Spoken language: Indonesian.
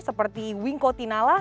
seperti wingko tinala